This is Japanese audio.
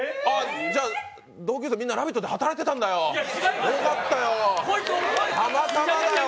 じゃ、同級生みんな「ラヴィット！」で働いてたんだよ、よかったよ。